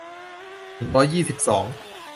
หนึ่งร้อยยี่สิบสอง